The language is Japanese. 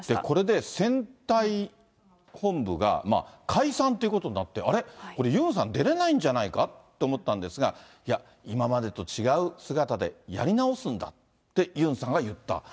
これで、選対本部が解散ということになって、あれ、これユンさん出れないんじゃないかって思ったんですが、いや、今までと違う姿でやり直すんだって、ユンさんが言った。